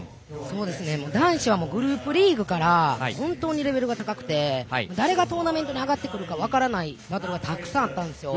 男子はグループリーグから本当にレベルが高くて誰がトーナメントに上がってくるか分からないバトルがたくさんあったんですよ。